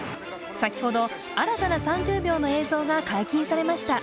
先ほど新たな３０秒の映像が解禁されました。